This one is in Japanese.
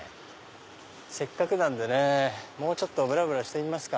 せっかくなんでねもうちょっとぶらぶらしてみますか。